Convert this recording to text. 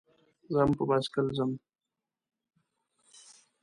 زه هم په بایسکل ځم.